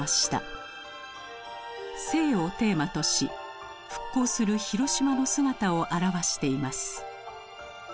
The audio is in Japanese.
「生」をテーマとし復興する広島の姿を表しています。